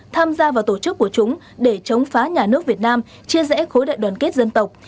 tham gia vào tổ chức của chúng để chống phá nhà nước việt nam chia rẽ khối đại đoàn kết dân tộc